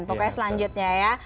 pokoknya selanjutnya ya